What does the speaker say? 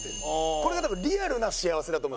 これが多分リアルな幸せだと思うんです。